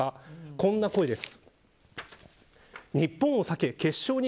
こんな声です。